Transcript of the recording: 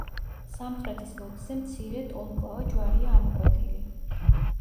სამხრეთის ლოდზე მცირე ტოლმკლავა ჯვარია ამოკვეთილი.